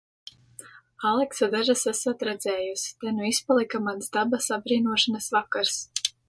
Aleksa dažas esot redzējusi... Te nu izpalika mans dabas apbrīnošanas vakars.